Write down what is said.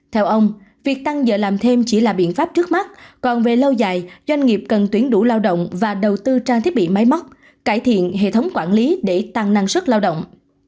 theo ông việc tăng giờ làm thêm chỉ là biện pháp trước mắt còn về lâu dài doanh nghiệp cần tuyển đủ lao động và đầu tư trang thiết bị máy móc cải thiện hệ thống quản lý để tăng năng suất lao động